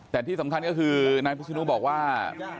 แต่ที่สำคัญก็คือนายพิศนุบอกว่า